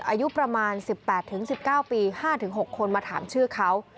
อายุประมาณ๑๘๑๙ปี๕๖คนมาถามชื่อเขา